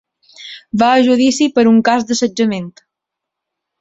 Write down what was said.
Va a judici per un cas d’assetjament.